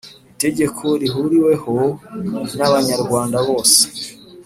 itegeko rihuriweho n Abanyarwanda bose